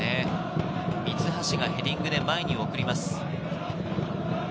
三橋がヘディングで前に送ります。